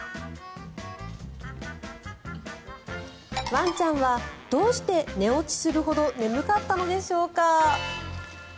ワンちゃんはどうして寝落ちするほど眠かったのでしょうか。